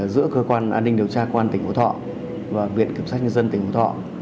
giữa cơ quan an ninh điều tra công an tỉnh phú thọ và viện kiểm sát nhân dân tỉnh phú thọ